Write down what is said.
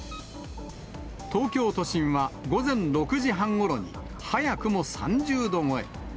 東京都心は午前６時半ごろに、早くも３０度超え。